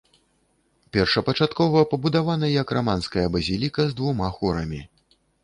Першапачаткова пабудавана як раманская базіліка з двума хорамі.